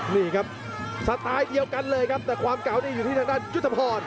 นี่ครับสไตล์เดียวกันเลยครับแต่ความเก่านี่อยู่ที่ทางด้านยุทธพร